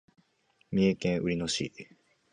三重県菰野町